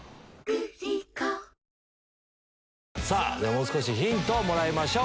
もう少しヒントをもらいましょう。